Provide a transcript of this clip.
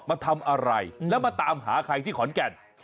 มาทำอะไรแล้วมาตามหาใครที่ขอนแก่น